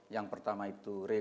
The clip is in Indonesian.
yang pertama itu relaks